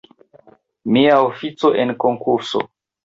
Mia ofico en konkurso!